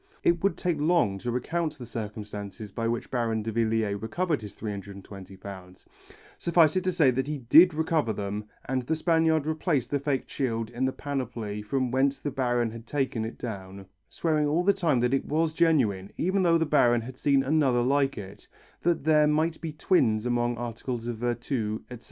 It would take long to recount the circumstances by which Baron Davillier recovered his £320, suffice it to say that he did recover them and the Spaniard replaced the faked shield in the panoply from whence the Baron had taken it down, swearing all the time that it was genuine even though the Baron had seen another like it, that there might be twins among articles of virtu, etc.